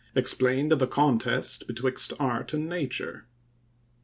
EXPLAINED OF THE CONTEST BETWIXT ART AND NATURE.